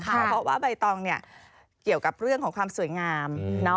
เพราะว่าใบตองเนี่ยเกี่ยวกับเรื่องของความสวยงาม